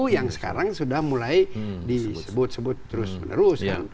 yang sekarang sudah mulai disebut sebut terus menerus